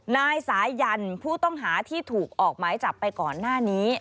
นายสายันผู้ต้องหาที่ถูกออกหมายจับไปก่อนหน้านี้